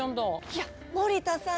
いや森田さん！